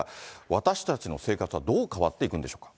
私たちの生活はどう変わっていくんでしょうか。